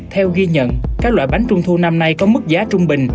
theo ghi nhận các loại bánh trung thu năm nay có mức giá trung bình